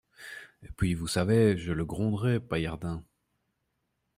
Et puis, vous savez, je le gronderai, Paillardin.